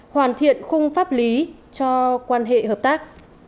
hoàn thiện khung pháp lý cho quan hệ hợp tác